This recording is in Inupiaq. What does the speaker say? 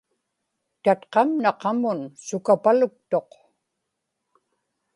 tatqamna qamun sukapaluktuq